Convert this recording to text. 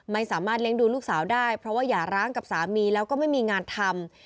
ไม่สามารถเลี้ยงดูลูกสาวได้เพราะว่าอย่าร้างกับสามีแล้วก็ไม่มีงานทำ